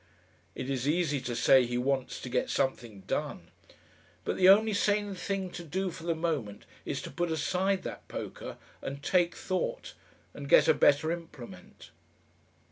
It is easy to say he wants to "get something done," but the only sane thing to do for the moment is to put aside that poker and take thought and get a better implement....